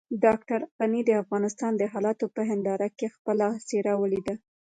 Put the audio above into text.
ډاکټر غني د افغانستان د حالاتو په هنداره کې خپله څېره وليده.